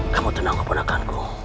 kamu tenang kebenakanku